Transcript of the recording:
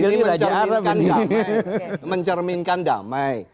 ini mencerminkan damai